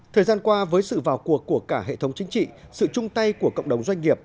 thời gian qua với sự vào cuộc của cả hệ thống chính trị sự chung tay của cộng đồng doanh nghiệp